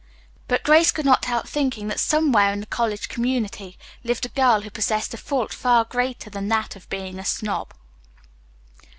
But Grace could not help thinking that somewhere in the college community lived a girl who possessed a fault far greater than that of being a snob.